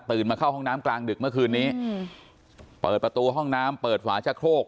มาเข้าห้องน้ำกลางดึกเมื่อคืนนี้เปิดประตูห้องน้ำเปิดฝาชะโครก